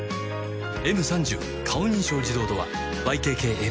「Ｍ３０ 顔認証自動ドア」ＹＫＫＡＰ